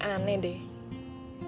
kayak aku tuh naik taksi aja ya